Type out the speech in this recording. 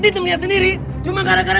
ditemunya sendiri cuma gara gara